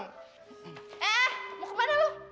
eh eh mau ke mana lo